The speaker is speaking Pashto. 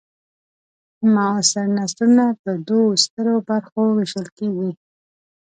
معاصر نثرونه په دوو سترو برخو وېشل کیږي.